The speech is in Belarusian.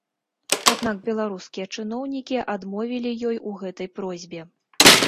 Аднак беларускія чыноўнікі адмовілі ёй у гэтай просьбе.